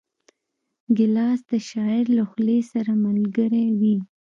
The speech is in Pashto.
ګیلاس د شاعر له خولې سره ملګری وي.